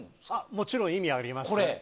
もちろん意味はあります。